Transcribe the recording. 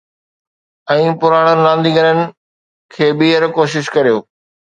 ۽ پراڻن رانديگرن کي ٻيهر ڪوشش ڪريو